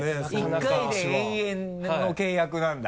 １回で永遠の契約なんだ。